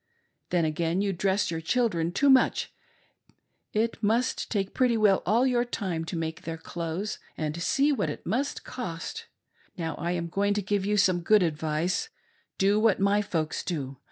Then, again, you dress your children too much ; it must take pretty well all your time to make their clothes ; and, see, what it must Cost. Now, I'm going to give you some good advice.. Do what my folks do.